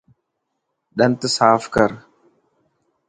ڏنت صاف ڪر.